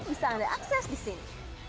bisa anda akses di sini